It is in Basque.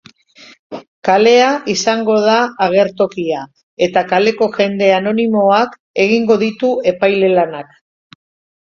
Kalea izango da agertokia, eta kaleko jende anonimoak egingo ditu epaile lanak.